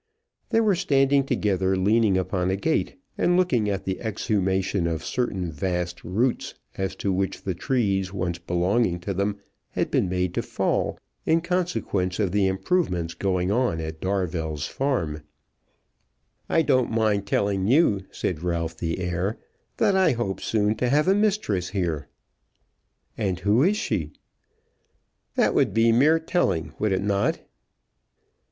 They were standing together leaning upon a gate, and looking at the exhumation of certain vast roots, as to which the trees once belonging to them had been made to fall in consequence of the improvements going on at Darvell's farm. "I don't mind telling you," said Ralph the heir, "that I hope soon to have a mistress here." "And who is she?" "That would be mere telling; would it not?"